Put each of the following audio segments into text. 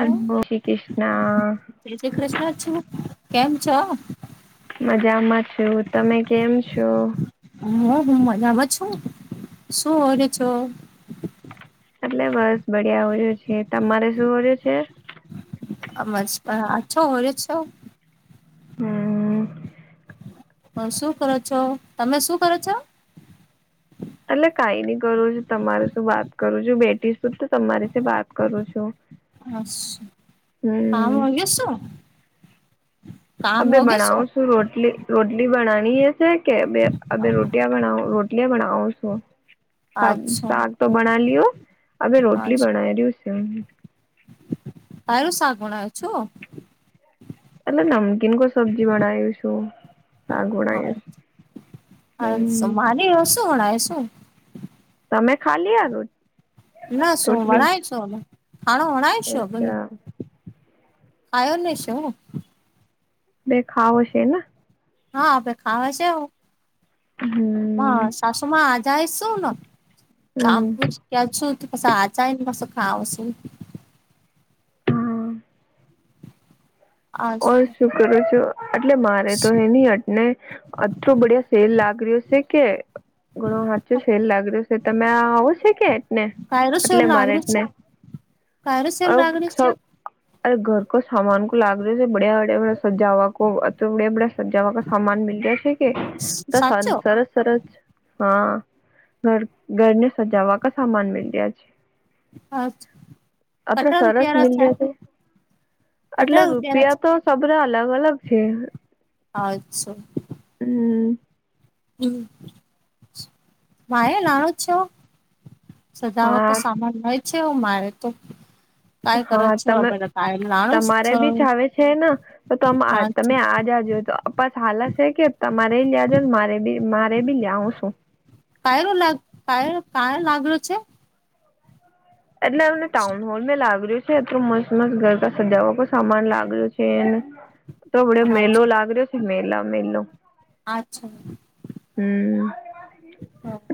હર શ્રી કૃષ્ણ શ્રી શ્રી કૃષ્ણ છું કેમ છો? મજામાં છું તમે કેમ છો. હા હું મજામાં છું શું કરો છો. એટલે બસ બડિયા બળિયા છે તમારે શું કર્યું છે. આમ જતા આછો હોરે છો. હમ્મ. હ શું કરો છો તમે શું કરો છો. એટલે કઈ નઈ કરું છું તમારે શું વાત કરું છું બેટી શ તો તમારી સે વાત કરું છું. અચ્છા હા હમ વાનગીઓ શું. અ કામ બે હોગે શું બનાવું છું રોટલી રોટલી બનાની એ છે કે બે આ બે રોટિયા બનાવો રો રોટલી આ બનાવો છો શા અચ્છા શાક તો બના લિયો અવે રોટલી અચ્છા બનાય રિયું [unintelligible] હનુ શાક બણાવો છો. એટલે નમકીન કો સબ્જી બનાાવ્યું છું. શાક હા બનાવ્યું છે અસા હમ માની શું ગણાય શું. તમે ખા લિયા રો ના શું વણાય છો ખાણો વણાય છો અચ્છા [unintelligible] આયોને શું હું. બે ખાવો છે ના. હા અબે ખાવ સે હો હમ હા સાસુ માં આજાય શું નો. કામ હમ પુસ ક્યાં છું તો કસ આજયની સો ખાવું શું. હા ઓ શું કરું છું એટલે મારે તો હે કાયરો ની અટ ને અટલો બડિયા સેલ લાગ રહ્યો છે કે ઘણો હાચો સેલ લાગ રહીયો સે. તમે આવો છે કે. ને સેલ એટલે મારે લાગણી છે ને કાયરો સેલ ઓ લાગણી સો છે અરે ઘર કો સામાન કો લાગ્યો છે બડીયા બડીયા સજાવા કો તો બે બડ સજાવાગ સામાન મીલ્યા છે કે દા સ સાચો સરસ સરસ હા ઘર ઘરને સજાવા ક સામાન મેલ્યા છે. અત્રે કટરા સરસ રૂપિયારા મિલિયા છે આટલે કટરા રૂ રૂપિયારા છે રૂપિયા તો સબરે અલગ અલગ છે અચ્છો હમ્મ. હમ્મ માયા નાનો જ છે. સજાવા કો હા સામાન હોય છે એવું મારે તો કાય કરો હા છો તમે બધા કાય લાણો તમારે છો બી ચાવે છે ન તો તમ આ હા તમે આ જાજો તો બસ હાલત છે કે તમારે લ્યાજો ને મારે બી મારે બી લિઆઉસુ. પાયરો લાગ પાયલ [unintelligible] લાગલો છે. એટલે અમને ટાઉન હોલ મે લાગલિયું છે તો મસ્ત મસ્ત ગરતા સજાવા પણ સામાન લાગ્યું છે એને. તો બઢિયા મેલો અચ્છા લાગ રહ્યો છે મેલા મેલો. અચ્છા. હમ્મ.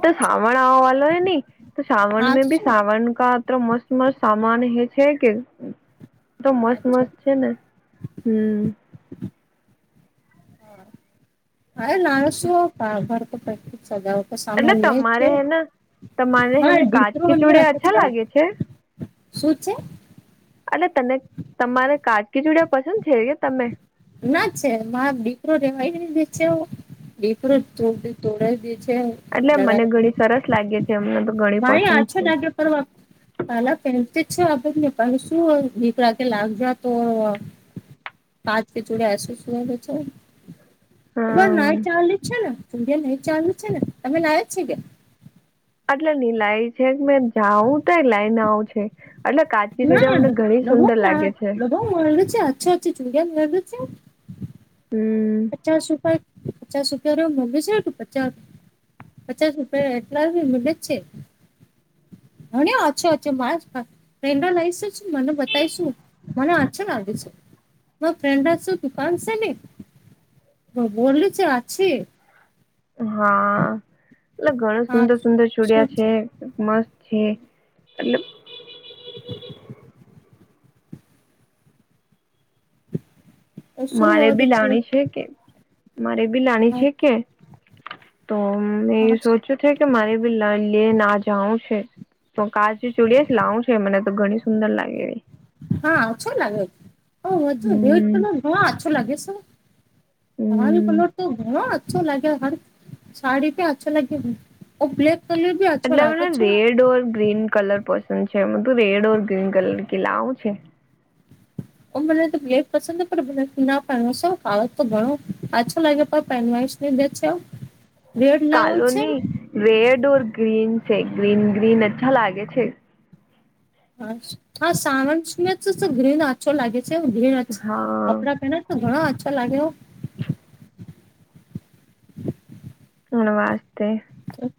તો સાાવણ આવા લે ની તો સાાવણ મે ભી શું સાવણ કા અત્ર મસ્ત મસ્ત સામાન હે છે કે તો મસ્ત મસ્ત છે ને. હમ્મ. અરે ના શું પા ઘર તો પા [unintelligible] સજાવત તો એટલે સમાન લે છે તમારે હેને તમારે હા હેને દીકરો કાચકી હમણે વાત ચૂડિયા જ અચ્છા એવો. લાગે છે શું છે. આટલે તને તમારે કાજગી જોડીયા પસંદ છે કે તમે. ના છે મા દીકરો રેવાય દે છે. એર તોોડ તોડ દે છે એટલે મને લડાઈ ઘણી સરસ લાગે છે એમને તો ઘણી પસંદ છે. પર વા કાલા પેન છે આપને પ શું દીકરા કે લાગજ તો ચરેસર ના હમ ચાલ દ છે ને [unintelligible] સુંર્યા નહી ચાલ્યું છે ને તમેનેય જ છે કે એટલે નીલાય છે મે જાઉં તો લઈને આવ છે એટલે કાચ મને ઘણી સુંદર લાગે છે. હ મ લગુ છે અચ્છ ચુગ લાગુ હ પચાસ રૂપિયા પચાસ રૂપિયા મોગે છેું પચાસ પચાસ રૂપિયા એટલા મે જ છે હ અછો અછો મા લ મને બતાવીશું મને આછા લાગે છે મ ફ્રેન્ડ છ દુકાન છે હ બોલી છે આ છે હા એટલે ઘણું હા સુંદર સુંદર ચુડિયા છે. મસ્ત છે એટલબ શું મારે ઓર બી લાણી છે કે મારે બી લાણી હા છે કે તો મેં સોચ્યું કે મારે ભી લ [unintelligible] લેને જાાવ છે તો કાચું ચુડી છે લાવું છ મને તો ઘણી સુંદર લાગે હા ઓછો લાગે રેટ હમ [unintelligible] ઘછો લાગે શ [unintelligible] તમારી હમ પલોટ તો ઘણ [inaudible] અ લાગ્યા હ સાડી પે અચ્છા લાગે હ ઓ બ્લક કલર [inaudible] એટલે મમને લાગે છે. રેડ ઓર ગ્રીન કલર પસંદ છે એ તું રેડ ઓર ગ્રીન કલર કિ લાઓ છે. મને તો બે [unintelligible] પસંદ પણ મને ના પહેવાત તો ઘણોછો લાગે પણ પહેવા કેમ છો [inaudible] [inaudible] કાલોની રેડ ઓર ગ્રીન છે ગ્રીન ગ્રીન અચ્છા લાગે છે. હા સાવ ગ્રીન આછો લાગે છે ગ્રીન હા કપડાં પહેને [inaudible] ઘણા અચ્છો લાગ્યો હણ વાસ્તે તો [inaudible]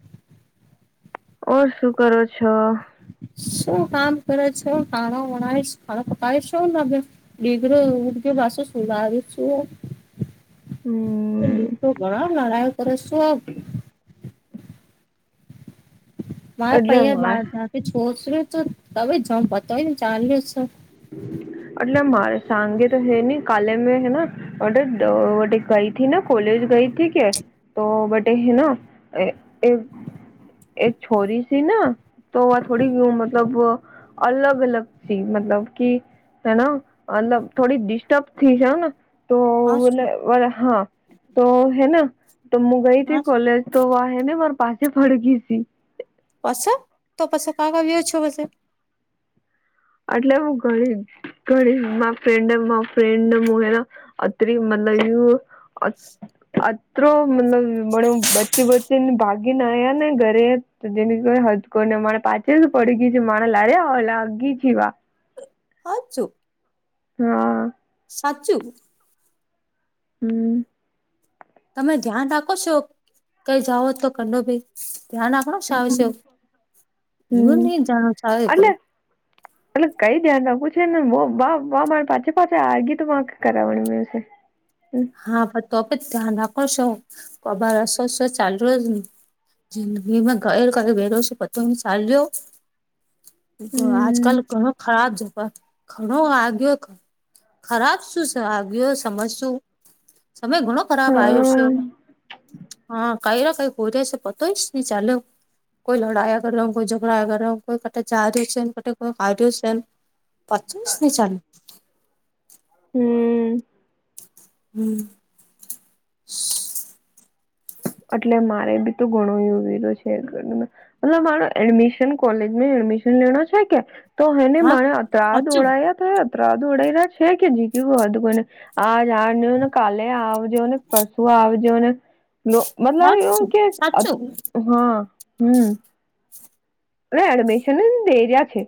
ઓર શું કરો છો શું કામ કરે છે કાણો વણાય [unintelligible] પકાવીશ શું લાગે ડિગરો ઉર્ગ ભષો શુંાવ શું [unintelligible] હમ દતો ઘણા નારા કરે શું હ [inaudible] મારે પૈ એટલે બાર મારે જા છોસર્યું તો તમે જમ પતાયને ચાલ્યું છે [unintelligible] એટલે મારે સાંગે તો હે નઈ કાલેમ હે [inaudible] ઓ ગઈ હતીને કોલેજ ગઈ હતી કે? તો બટેે હેના એ? એક છોરી સીના તો થોડી મતલબ અલગ અલગથી મતલબ કે હેના મતલબ થોડી ડિસ્ટસ્ટબ થી જાવ ના તો હા શું હા તો હેના તો હું ગઈ હા હતી શું કોલેજ તો વાહે ને માર પાસે ફડકીઈ સ [inaudible] પછ તો પછો કક આવ્યો છો પછ [inaudible] એટલે હું ગણી ઘ મા ફ્રેન્ડ મા ફ્રેન્ડ મોલા અત્ર મલ ું [inaudible] અત્રો મતલબ મણ બચ્ચી બચ્ચી ને ભાગીને આવ્યા ને ઘરે તો જેમ કો હજ કરને મા પાછે પડી ગ છે માણ લળ આવ લાગી જ વા [inaudible] સાચું હા સાચું હમ તમે ધ્યાન રાખો છો કઈ જાઓ તો કંડો ભી ધ્યાન રાખ, હ શ આવ છે, નહી જાણો છ કોઈ. [inaudible] એલે કઈ ધ્યાન ના પૂછે ને વા [unintelligible] મા પાછી પાછા આ ગી તો કરાવવાની મેસે હા પણ તો પણ ધ્યાન રાખો છો કભર હસો ચાલ્યોને જિંદગી મેમાં ઘ ઘ વરોશ પત સાાલ્યો [inaudible] હમ આજકાલ ઘણો ખરાબ જમાનો ઘણો વાગ્યો ખરાબ શું આગ્યો સમજશું સમય ઘણો ખરાબ આવ્યો છે હા હા [inaudible] કઈ ના કઈ હોઈ ર છે પતોયશ નને ચાલે [inaudible] કોઈ લડાયા કર્યો હો કોઈ ઝઘડાયા કર હો કોઈ કટ ચ છેન ક કોઈ કારુ છેન, પચીસ નને છે [inaudible] હમ હમ [inaudible] એટલે મારે બી તો ઘણો એવ વરો છે ઘરમા મતલબ મારો એડમિશન કોલેજમાં એડમિશન લેનો છે કે? તો હેને હા માણે અતરાધ સાચું ઓળાવયા તો અતરા્ ઓળાય્યા છે કે જીગ્યું હો હતું કોઈને આ જાણજ ને કાલે આવજો ને પરસુ આવજો ને, મતલબ એવું સાચું કે સાચું હા હમ, ના એડમિશન નહી દેરયા છે.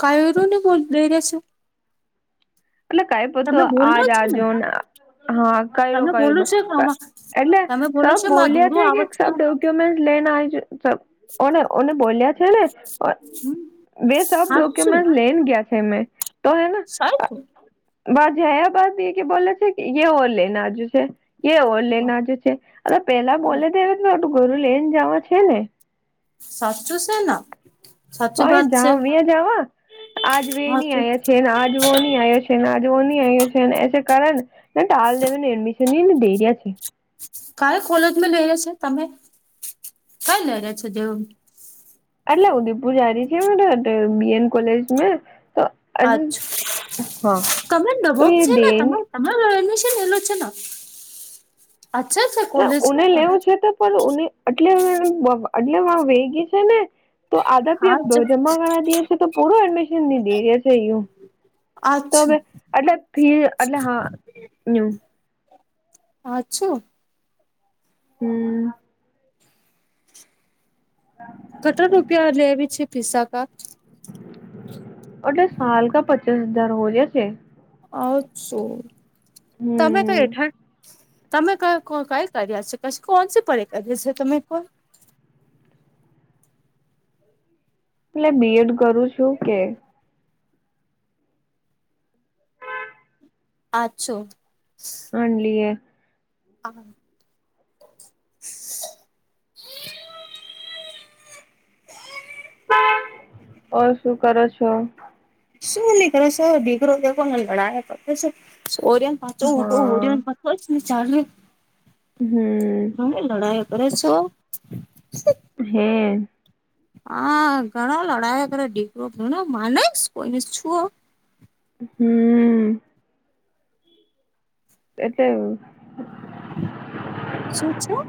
કઈન બોલઈ રહ છે એટલે કઈ તમે પતું બોલો આજ છો ને આજો હા કરો તમે કઈ બોલો છો આમાં એટલે તમે બોલો સબ છો માં બોલ્યા દૂરો છે કે આવો છો શબદ ડ્યુમેન્ટ લેને સબ-' ઓને ઓને બોલ્યા છે ને હમ બે સબ સાચું ડોક્યુમેન્ટ લઈને ગયા તો હે ને સાય તું વા જયા બાદ એ કે બોલે છે એ ઓલ ને આજુ છે. એ ઓલેઈન આજુ છે અ પેલા બોલે તો એ ટું ગુરુ લઈને જવા છે ને સાચું છે ના અ જ બે જવા આજ બે ન હાચું આ્યા છે ને આજ વો નની આ્યા છે આજવન ગ છે એ કારણ એડમિશનને દેરી છે. ક્યારે કોલેજમાં લઈ રહ્યા છે તમે કઈ લઈ રહ્યા છે દેવ એટલે ઉદેપુર જારી છે બીએન કોલેજ તો અચ્છા હા કમેર તો નવોક એ છે ને દેન તમારે? તમારે એડમિશન એલું છે ને? અચ્છા એ કોલેજ ઉને લેવું છે તો પણ ઉને, એટલે એટલે વેગી છે ને તો આધા પી આજ જમા કર દેએ છે તો પૂરું એડમિશન લીધી રહ્યા છે અયું તો હવે આછું એટલે ફી એટલે હા અછું હમ કટર રૂપિયા લેવી છે પિસ્સા કાર અટ સાલ કા પચીાસ હજાર હો ગયા છે. અછું તમે કઈ હઠા તમે ક કઈ કર્યા છે કી કોણ સ પરે કર્યા છે તમે કોઈ એટલે બી એડ કરું છું કે પાછો માનલીએ આ [unintelligible] હા [inaudible] ઓ શું કરો છો શું નીકરો છો દીગરો છેને લડાયા કર ઓરિયન પાચો હા ઉટો ઓરિન ખશ ચાલ્યું હમ તમે લડાઈ કરો છો હે હા ઘણા લડાયા કરે દીકરો માનેશ કોઈને છુઓ હમ એટલે શું છું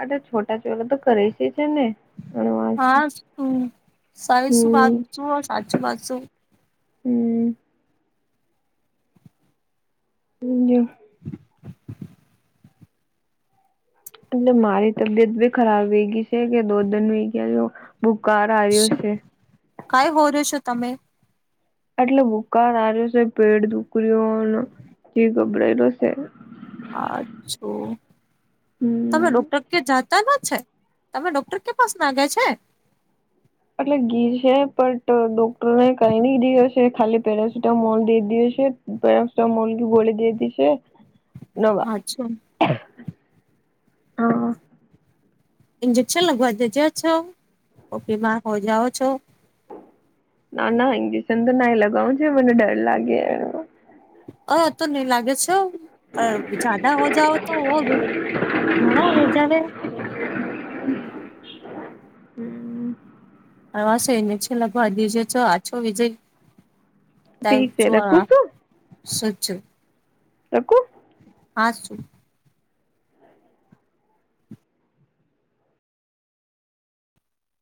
અરે છોટા ચોલા તો કરે છે છે ને અણવાજ હા સાારી શું વાત હમ છું સાચું વાતું હમ હ એટલે મારી તબિયત બી ખરાબ વઈ ગઈ છે કે દો દન વઈ ગયા બુખાર આઈ શું હશે કઈ હો રહ્યો છો તમે એટલે ભુકા હ્યો છે પેટ દુકરીઓ જે ગભરાયેલો છે અચ્છો તમે રો હમ ડો્ટર કે જતા ન છે તમે ડોક્ટર કે પાસ નાગ્યા છે એટલે ઘી છે પણટ ડોક્ટરોને કરીધી હશે ખાલી પેરાસિટામોલ દઈ દીધી હશે મુલકી ગોળ દઈ દી છે નોવા અચ્છા હા ઇન્જેક્શન લગવા દેજો છો બીમાર હો જાાવ છો ના ના ઇંગિશન તો ના લગાવ છે મને ડર લાગે અ તો નહી લાગે છે પણ જદા હો જાઓ તો હોવે ઘણો હો જવે હમ્ અ વા છે લગભ આ દ જે આછો વિજય ત ઠીક છે જો આ રખું શું શુ થયુ તકુ હા શુ